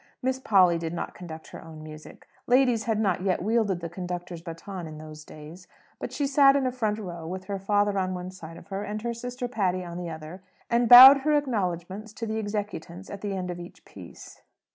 Miss Polly did not conduct her own music. Ladies had not yet wielded the conductor's bâton in those days. But she sat in a front row, with her father on one side of her and her sister Patty on the other, and bowed her acknowledgments to the executants at the end of each piece.